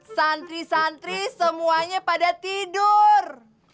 santri santri semuanya pada tidur